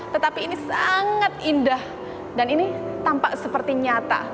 tetapi ini sangat indah dan ini tampak seperti nyata